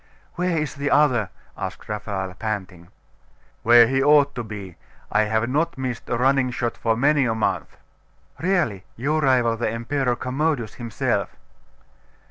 'Where is the other?' asked Raphael, panting. 'Where he ought to be. I have not missed a running shot for many a month.' 'Really, you rival the Emperor Commodus himself.